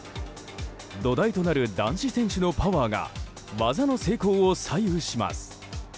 土台となる男子選手のパワーが技の成功を左右します。